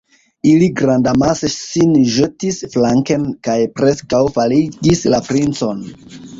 Ili grandamase sin ĵetis flanken kaj preskaŭ faligis la princon.